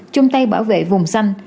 chung tay bảo vệ vùng xanh